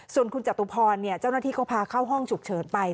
ส่วนคุณจตุพรเจ้าหน้าที่ก็พาเข้าห้องฉุกเฉินไป